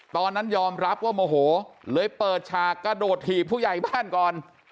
ตอนนั้นยอมรับว่าโมโหเลยเปิดฉากกระโดดถีบผู้ใหญ่บ้านก่อน